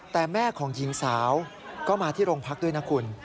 แต่แม่ของหญิงสาวก็มาที่โรงพักด้วยนะคุณ